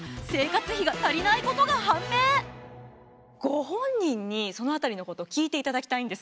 ご本人にその辺りのこと聞いていただきたいんです。